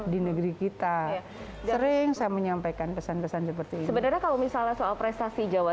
di negeri kita sering saya menyampaikan pesan pesan seperti sebenarnya kalau misalnya soal prestasi jawa